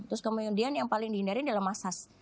terus kemudian yang paling dihindari adalah masas